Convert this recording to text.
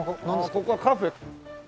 ここはカフェ。